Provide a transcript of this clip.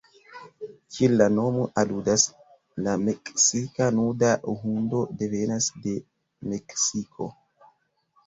Kiel la nomo aludas, la meksika nuda hundo devenas de Meksiko.